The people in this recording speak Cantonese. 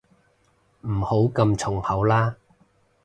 唔好咁重口啦